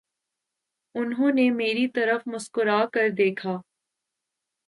انہوں نے میرے طرف مسکرا کر دیکھا